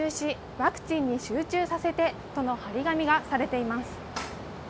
ワクチンに集中させてとの貼り紙がされています。